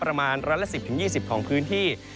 ประมาณร้อยละ๑๐๒๐ของพื้นที่